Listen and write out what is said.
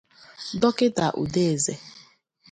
Dọkịta Udeze